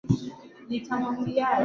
Leo alikuwa amechelewa